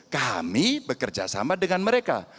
kami bekerja sama dengan mereka